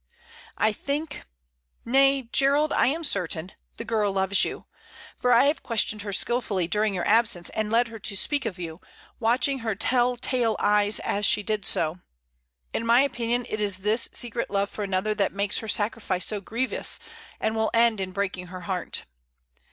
"I think nay, Gerald, I am certain the girl loves you; for I have questioned her skilfully during your absence and led her to speak of you, watching her tell tale eyes as she did so. In my opinion it is this secret love for another that makes her sacrifice so grievous, and will end in breaking her heart."